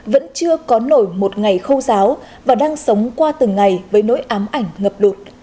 vẫn chưa có nổi một ngày khô giáo và đang sống qua từng ngày với nỗi ám ảnh ngập lụt